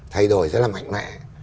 thay đổi rất là mạnh mẽ